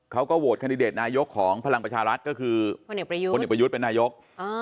เขาก็โหวตคันดิเดตนายกของพลังประชารัฐก็คือคนเอกประยุทธ์เป็นนายก